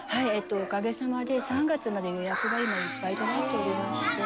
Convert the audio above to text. おかげさまで３月まで予約が今、いっぱいとなっておりまして。